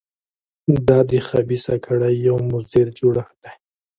دا د خبیثه کړۍ یو مضر جوړښت دی.